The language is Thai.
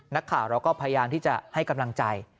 นักข่าวเราก็พยายามที่จะให้กำลังใจ